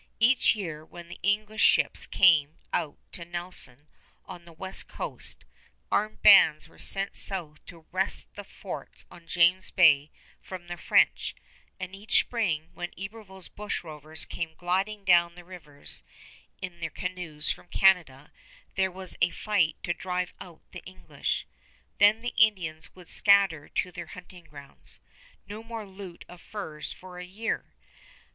Each year, when the English ships came out to Nelson on the west coast, armed bands were sent south to wrest the forts on James Bay from the French; and each spring, when Iberville's bushrovers came gliding down the rivers in their canoes from Canada, there was a fight to drive out the English. Then the Indians would scatter to their hunting grounds. No more loot of furs for a year!